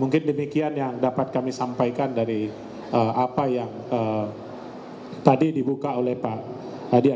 mungkin demikian yang dapat kami sampaikan dari apa yang tadi dibuka oleh pak adian